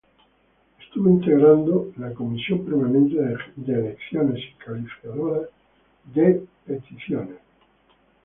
Estuvo integrando la Comisión permanente de Elecciones y Calificadora de Peticiones.